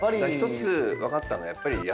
１つ分かったのはやっぱり。